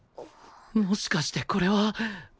もしかしてこれは